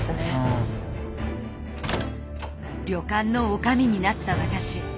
旅館のおかみになった私。